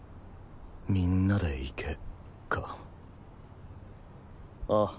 みんなで行けかああ。